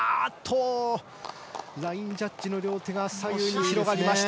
ラインジャッジの両手が左右に広がりました。